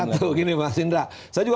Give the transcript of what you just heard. satu gini mas indra saya juga